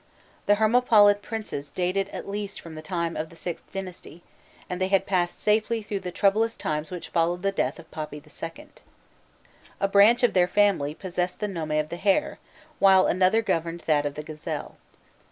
The Hermopolitan princes dated at least from the time of the VIth dynasty, and they had passed safely through the troublous times which followed the death of Papi II. A branch of their family possessed the nome of the Hare, while another governed that of the Gazelle.